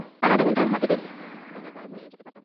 আর আধা ঘন্টা হাতে পেলেই আমরা পগারপার হয়ে যেতে পারতাম।